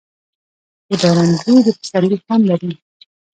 د باران بوی د پسرلي خوند لري.